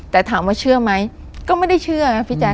แต่ถามว่าเชื่อไหมก็ไม่ได้เชื่อนะพี่แจ๊